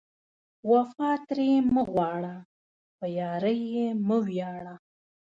وفا ترې مه غواړه، په یارۍ یې مه ویاړه